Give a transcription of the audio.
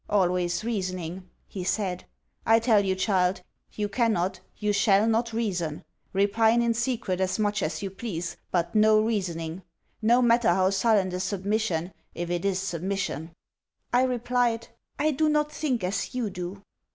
'Always reasoning,' he said: 'I tell you, child, you cannot, you shall not reason. Repine in secret as much as you please, but no reasonings. No matter how sullen the submission, if it is submission.' I replied, 'I do not think as you do.'